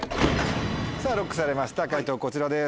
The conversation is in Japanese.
ＬＯＣＫされました解答こちらです。